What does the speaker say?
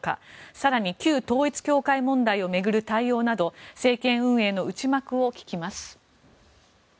更に旧統一教会問題を巡る対応など政権運営の内幕を聞きます。